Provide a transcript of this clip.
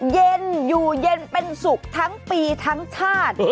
เย็นอยู่เย็นเป็นสุขทั้งปีทั้งชาติ